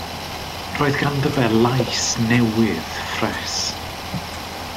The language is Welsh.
Roedd ganddo fe lais newydd ffres.